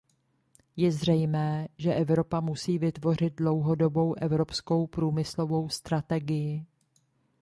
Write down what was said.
Je zřejmé, že Evropa musí vytvořit dlouhodobou evropskou průmyslovou strategii.